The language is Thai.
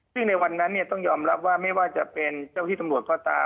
ซึ่งในวันนั้นต้องยอมรับว่าไม่ว่าจะเป็นเจ้าที่ตำรวจก็ตาม